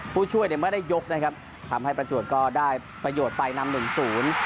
ผู้ช่วยเนี่ยไม่ได้ยกนะครับทำให้ประจวบก็ได้ประโยชน์ไปนำหนึ่งศูนย์